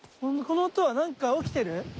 この音はなんか起きてる？